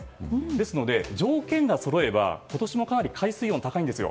ですので、条件がそろえば今年もかなり海水温が高いんです。